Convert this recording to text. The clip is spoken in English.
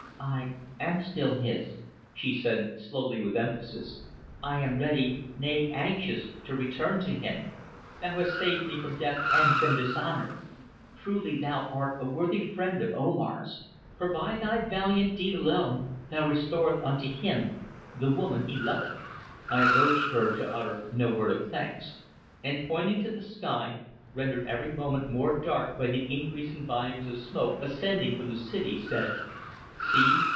"I am still his," she said slowly, with emphasis. "I am ready, nay anxious, to return to him. Thou hast saved me from death and from dishonour; truly thou art a worthy friend of Omar's, for by thy valiant deed alone thou restorest unto him the woman he loveth." I urged her to utter no word of thanks, and pointing to the sky, rendered every moment more dark by the increasing volumes of smoke ascending from the city, said: "See!